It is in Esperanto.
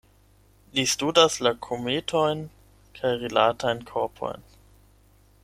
Li studas la kometojn kaj rilatajn korpojn.